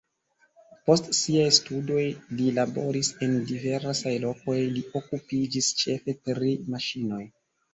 Post siaj studoj li laboris en diversaj lokoj, li okupiĝis ĉefe pri maŝinoj.